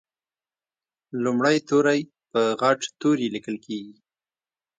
لومړی توری په غټ توري لیکل کیږي.